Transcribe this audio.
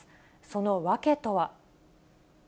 その訳とは。